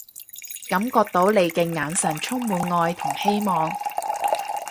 感覺到你嘅眼神充滿愛同希望